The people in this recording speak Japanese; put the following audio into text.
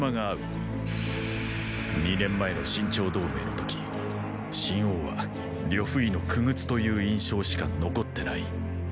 二年前の秦趙同盟の時秦王は呂不韋の傀儡という印象しか残ってない。